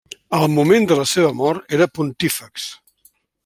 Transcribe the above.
Al moment de la seva mort era pontífex.